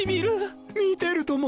見てるとも！